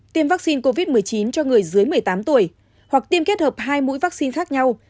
tiêm vaccine covid một mươi chín cho người dưới một mươi tám tuổi hoặc tiêm kết hợp hai mũi vaccine khác nhau